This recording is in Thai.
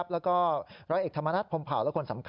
๔ร้อยเอกธรรมนัฐพลมเผา